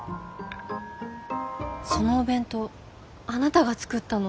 そのお弁当あなたが作ったの？